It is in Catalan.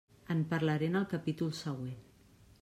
En parlaré en el capítol següent.